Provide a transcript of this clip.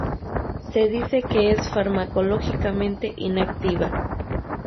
Se dice que es farmacológicamente inactiva.